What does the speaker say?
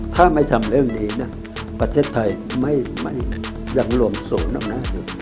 ถ้าไม่ทำเรื่องนี้นะประเทศไทยยังรวมศูนย์อำนาจอยู่